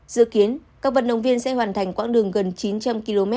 dự kiến các vận động viên sẽ hoàn thành quãng đường gần chín trăm linh km